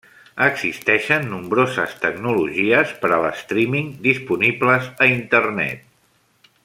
Existeixen nombroses tecnologies per al streaming disponibles a Internet.